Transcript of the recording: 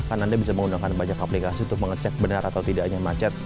karena anda bisa menggunakan banyak aplikasi untuk mengecek benar atau tidaknya macet